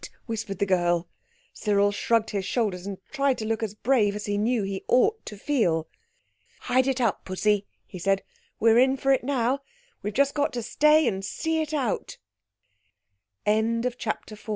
whispered the girl. Cyril shrugged his shoulders, and tried to look as brave as he knew he ought to feel. "Hide it up, Pussy," he said. "We are in for it now. We've just got to stay and see